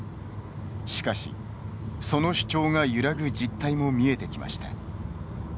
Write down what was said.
しかし、その主張が揺らぐ実態も見えてきました。